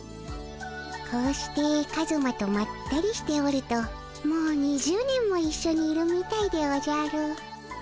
こうしてカズマとまったりしておるともう２０年もいっしょにいるみたいでおじゃる。